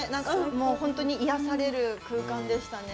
本当に癒やされる空間でしたね